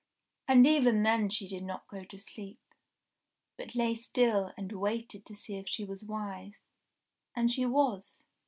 And even then she did not go to sleep ; but lay still and waited to see if she was wise ; and she was